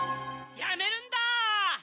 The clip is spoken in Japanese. ・やめるんだ！